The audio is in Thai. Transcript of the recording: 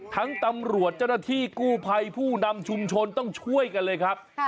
ตำรวจเจ้าหน้าที่กู้ภัยผู้นำชุมชนต้องช่วยกันเลยครับ